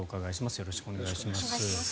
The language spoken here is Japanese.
よろしくお願いします。